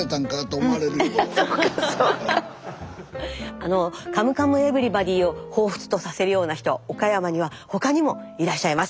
あの「カムカムエヴリバディ」を彷彿とさせるような人岡山には他にもいらっしゃいます。